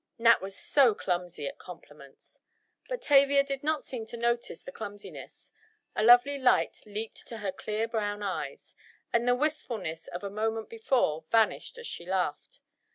Nat was so clumsy at compliments! But Tavia did not seem to notice the clumsiness, a lovely light leaped to her clear brown eyes, and the wistfulness of a moment before vanished as she laughed.